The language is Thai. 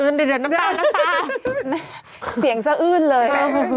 เดี๋ยวน้ำตาลเสียงเสื้ออื่นเลย